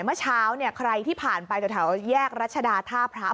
เมื่อเช้าใครที่ผ่านไปตรงแถวแยกรัชดาธาพร้าบ